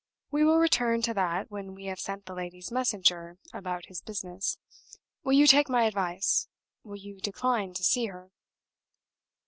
"We will return to that when we have sent the lady's messenger about his business. Will you take my advice? Will you decline to see her?"